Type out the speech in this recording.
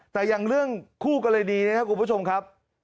แต่อย่างเรื่องคู่กรณีนะครับคุณผู้ชมครับ